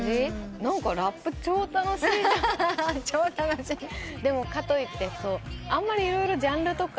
「何かラップ超楽しい」「超楽しい」でもかといってあんまり色々ジャンルとか。